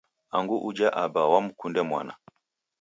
Angu uje aba wamkunde mwana